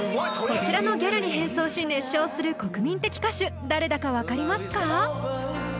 こちらのギャルに変装し熱唱する国民的歌手誰だか分かりますか？